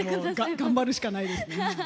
頑張るしかないですね。